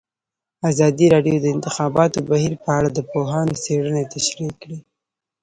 ازادي راډیو د د انتخاباتو بهیر په اړه د پوهانو څېړنې تشریح کړې.